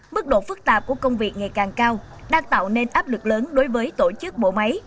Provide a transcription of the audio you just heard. mức độ phức tạp của công việc ngày càng cao đang tạo nên áp lực lớn đối với tổ chức bộ máy